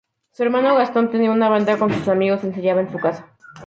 Su hermano Gastón tenía una banda con sus amigos, ensayaban en su casa.